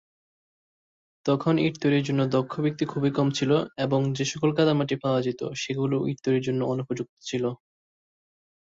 তখন ইট তৈরির জন্য দক্ষ ব্যক্তি খুবই কম ছিল এবং যেসকল কাদামাটি পাওয়া যেত সেগুলো ইট তৈরির জন্য অনুপযুক্ত ছিল।